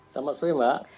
selamat sore mbak